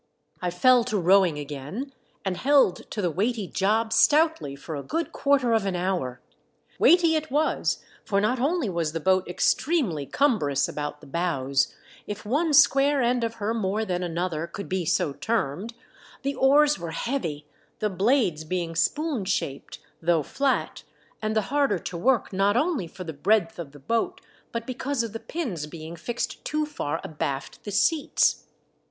I fell to rowino; agrain, and held to the weighty job stoutly lor a good quarter of an MY POOR DARLING. 497 hour. Weighty it was, for not only was the boat extremely cumbrous about the bows — if one square end of her more than another could be so termed — the oars were heavy, the blades being spoon shaped, though flat, and the harder to work not only for the breadth of the boat, but because of the pins being fixed too far abaft the seats.